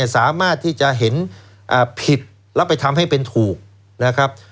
สามารถที่จะเห็นผิดแล้วไปทำให้เป็นถูกนะครับ